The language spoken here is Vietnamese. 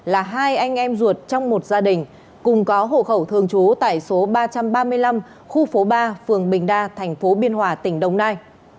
là hai anh em ruột trong một gia đình cùng có hộ khẩu thường trú tại số ba trăm ba mươi năm khu phố ba phường bình đa thành phố biên hòa tỉnh đồng nai